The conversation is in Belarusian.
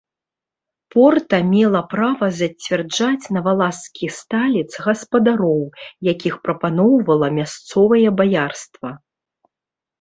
Порта мела права зацвярджаць на валашскі сталец гаспадароў, якіх прапаноўвала мясцовае баярства.